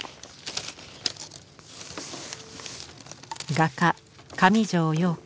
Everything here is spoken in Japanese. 画家上條陽子。